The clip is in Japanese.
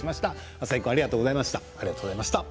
浅井君ありがとうございました。